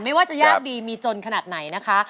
ไม่ว่าจะยากดีมีจนขนาดไหนนะคะ